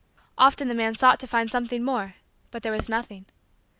Often the man sought to find something more but there was nothing.